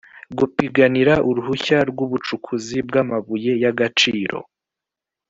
gupiganira uruhushya rw’ ubucukuzi bw’ amabuye yagaciro